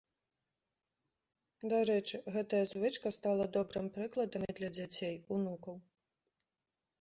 Дарэчы, гэтая звычка стала добрым прыкладам і для дзяцей, унукаў.